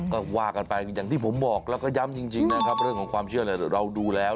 ก็ว่ากันไปอย่างที่ผมบอกแล้วก็ย้ำจริงนะครับเรื่องของความเชื่อเนี่ยเราดูแล้ว